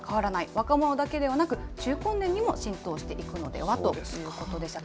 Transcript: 若者だけではなく、中高年にも浸透していくのではということでした。